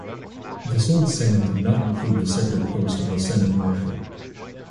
This old senate did not include the separate post of the Senate Marshal.